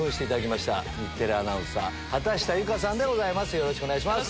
よろしくお願いします。